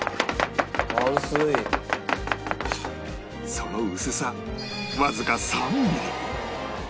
その薄さわずか３ミリ